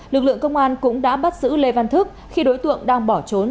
lực lượng công an cũng đã bắt giữ lê văn thức khi đối tượng đang bỏ trốn